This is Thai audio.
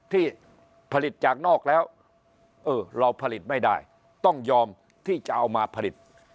ที่ผลิตจากนอกแล้วเออเราผลิตไม่ได้ต้องยอมที่จะเอามาผลิต